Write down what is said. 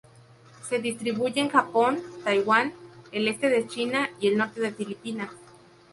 Se distribuye en Japón, Taiwán, el este de China y el norte de Filipinas.